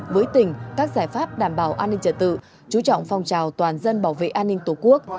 với tỉnh các giải pháp đảm bảo an ninh trật tự chú trọng phong trào toàn dân bảo vệ an ninh tổ quốc